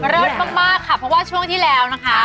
เลิศมากค่ะเพราะว่าช่วงที่แล้วนะคะ